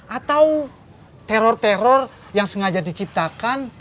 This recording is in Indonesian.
atau teror teror yang sengaja diciptakan